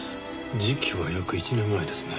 時期は約１年前ですね。